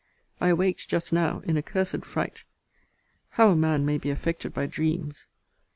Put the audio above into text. I awaked just now in a cursed fright. How a man may be affected by dreams!